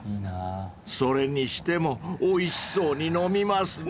［それにしてもおいしそうに飲みますね］